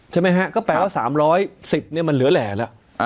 ใช่ไหมฮะก็แปลว่า๓๑๐เนี่ยมันเหลือแหล่แล้ว